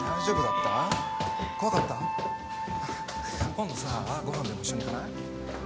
今度さご飯でも一緒に行かない？